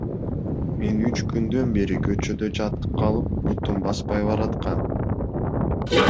Мен үч күндөн бери көчөдө жатып калып, бутум баспай бараткан.